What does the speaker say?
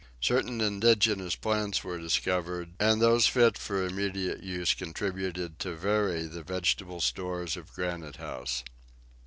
Certain indigenous plants were discovered, and those fit for immediate use contributed to vary the vegetable stores of Granite House.